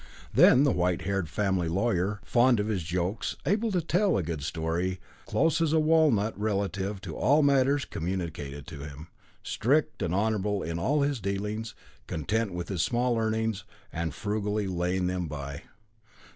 Then the white haired family lawyer, fond of his jokes, able to tell a good story, close as a walnut relative to all matters communicated to him, strict and honourable in all his dealings, content with his small earnings, and frugally laying them by.